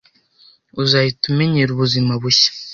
Uzahita umenyera ubuzima bushya.